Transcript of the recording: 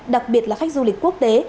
đặc biệt là khách du lịch quốc tế